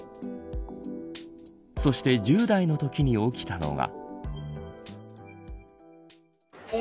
そして１０代のときに起きたのが。